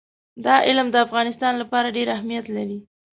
دا علم د افغانستان لپاره ډېر اهمیت لري.